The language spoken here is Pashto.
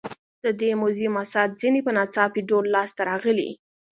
د دې موزیم اثار ځینې په ناڅاپي ډول لاس ته راغلي.